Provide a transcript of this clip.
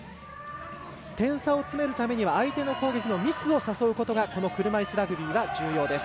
点差を詰めるためには相手の攻撃のミスを誘うことがこの車いすラグビーは重要です。